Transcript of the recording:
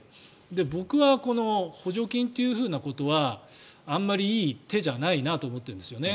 僕は補助金ということはあまりいい手じゃないなと思ってるんですよね。